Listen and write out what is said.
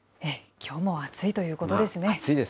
きょうも暑いということです